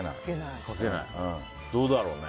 どうだろうね。